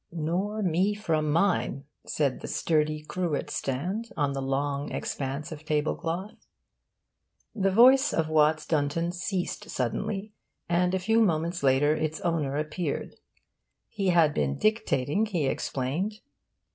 'Nor me from mine,' said the sturdy cruet stand on the long expanse of table cloth. The voice of Watts Dunton ceased suddenly, and a few moments later its owner appeared. He had been dictating, he explained.